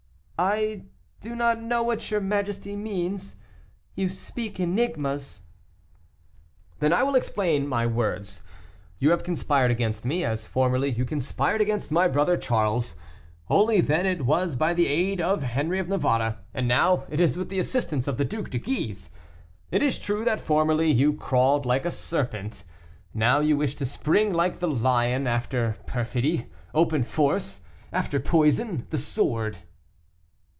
"I do not know what your majesty means; you speak enigmas." "Then I will explain my words; you have conspired against me, as formerly you conspired against my brother Charles, only then it was by the aid of Henri of Navarre, and now it is with the assistance of the Duc de Guise. It is true that formerly you crawled like a serpent; now you wish to spring like the lion; after perfidy, open force; after poison, the sword."